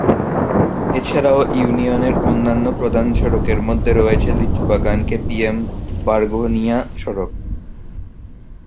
এছাড়া এ ইউনিয়নের অন্যান্য প্রধান সড়কের মধ্যে রয়েছে লিচুবাগান-কেপিএম-বারঘোনিয়া সড়ক।